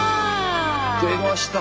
出ました！